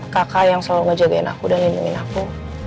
kakak yang selalu ngejagain aku dan lindungi aku